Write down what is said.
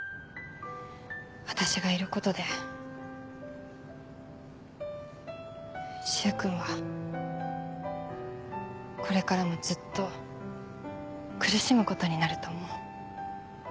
私がいることで柊君はこれからもずっと苦しむことになると思う。